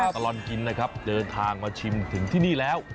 ตลอดกินนะครับเดินทางมาชิมถึงที่นี่แล้ว